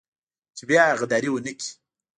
چې بيا غداري ونه کړي.